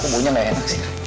kok bukunya enggak enak sih